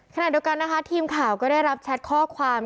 ขณะเดียวกันนะคะทีมข่าวก็ได้รับแชทข้อความ